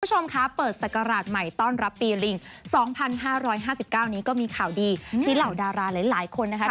คุณผู้ชมคะเปิดศักราชใหม่ต้อนรับปีลิง๒๕๕๙นี้ก็มีข่าวดีที่เหล่าดาราหลายคนนะคะ